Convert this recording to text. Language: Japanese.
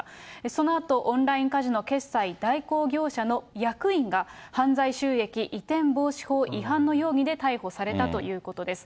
そのあとオンラインカジノ決済代行業者の役員が犯罪収益移転防止法違反の容疑で逮捕されたということです。